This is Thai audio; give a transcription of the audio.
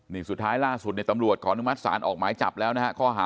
นี่สุดท้ายล่าสุดในตำรวจขออนุมัติศาลออกหมายจับแล้วนะฮะข้อหา